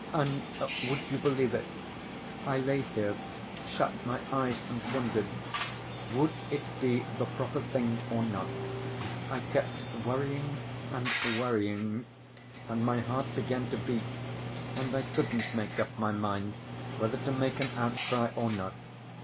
And, would you believe it, I lay here, shut my eyes, and wondered, would it be the proper thing or not. I kept worrying and worrying, and my heart began to beat, and I couldn't make up my mind whether to make an outcry or not.